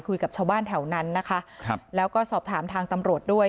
คุยกับชาวบ้านแถวนั้นนะคะครับแล้วก็สอบถามทางตำรวจด้วย